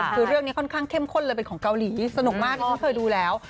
คือเรื่องนี้ค่อนข้างเข้มข้นเลยเป็นของเกาหลีสนุกมากที่เคยดูแล้ว